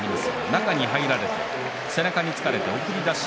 中に入られて背中につかれて送り出し。